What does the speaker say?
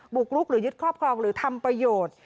กรุกหรือยึดครอบครองหรือทำประโยชน์